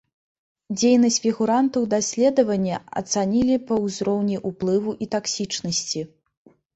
Дзейнасць фігурантаў даследавання ацанілі па ўзроўні ўплыву і таксічнасці.